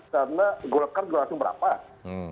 karena golkar langsung merapat